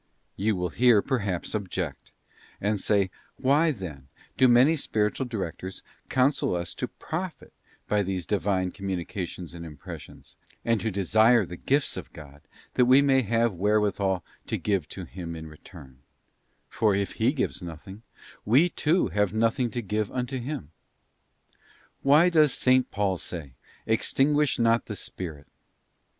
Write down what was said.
You will here perhaps object, and say, Why, then, do many spiritual directors counsel us to profit by these Divine communications and impressions, and to desire the gifts of God that we may have wherewithal to give to Him in return, for if He gives nothing, we too have nothing to give unto Him? Why does S. Paul say, ' Extinguish not the Spirit'?